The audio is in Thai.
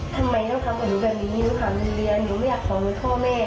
ทำไมต้องทำของหนูแบบนี้หนูอยากขอมือคู่แท่เมย์